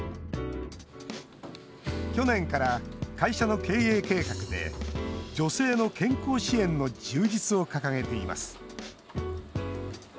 去年から会社の経営計画で女性の健康支援の充実を掲げています。